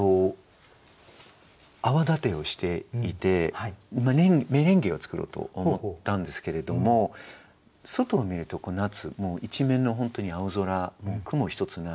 泡立てをしていてメレンゲを作ろうと思ったんですけれども外を見ると夏もう一面の本当に青空雲一つない。